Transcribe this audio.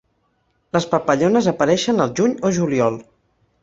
Les papallones apareixen al juny o juliol.